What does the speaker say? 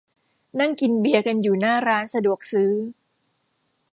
นั่งกินเบียร์กันอยู่หน้าร้านสะดวกซื้อ